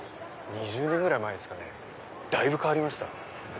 ２０年ぐらい前ですかねだいぶ変わりました。